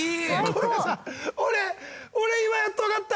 俺今やっと分かった。